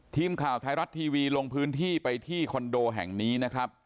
ทีมข่าวไทยรัฐทีวีลงพื้นที่ไปที่คอนโดแห่งนี้นะครับ